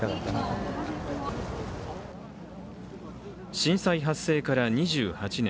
震災発生から２８年。